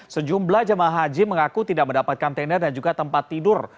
sejumlah jemaah haji mengaku tidak mendapatkan tenda dan juga tempat tidur